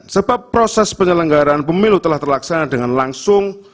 sebab proses penyelenggaraan pemilu telah terlaksana dengan langsung